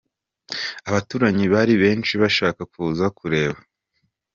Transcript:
Abaturanyi bari benshi bashaka kuza kureba